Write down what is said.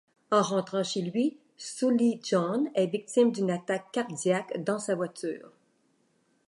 En rentrant chez lui, Sully-John est victime d'une attaque cardiaque dans sa voiture.